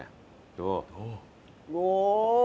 どう？